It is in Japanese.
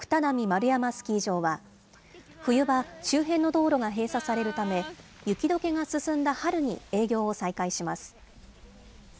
丸山スキー場は、冬場、周辺の道路が閉鎖されるため、雪どけが進んだ春に営業を再開します。